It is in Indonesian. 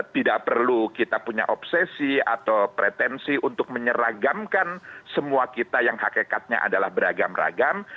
tidak perlu kita punya obsesi atau pretensi untuk menyeragamkan semua kita yang hakikatnya adalah beragam ragam